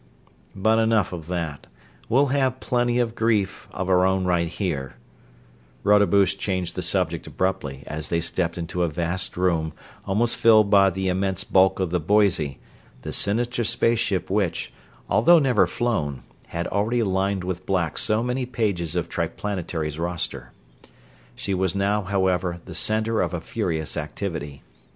"But enough of that, we'll have plenty of grief of our own right here," Rodebush changed the subject abruptly as they stepped into a vast room, almost filled by the immense bulk of the Boise the sinister space ship which, although never flown, had already lined with black so many pages of Triplanetary's roster. She was now, however, the center of a furious activity.